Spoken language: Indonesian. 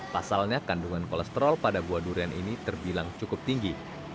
pasalnya kandungan kolesterol pada buah durian ini terbilang cukup tinggi